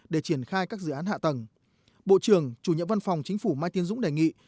để triển khai các dự án hạ tầng bộ trưởng chủ nhiệm văn phòng chính phủ mai tiên dũng đề nghị